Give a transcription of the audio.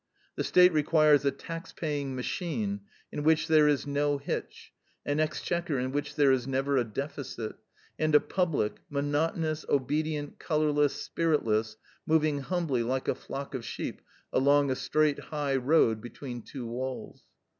The State requires a taxpaying machine in which there is no hitch, an exchequer in which there is never a deficit, and a public, monotonous, obedient, colorless, spiritless, moving humbly like a flock of sheep along a straight high road between two walls."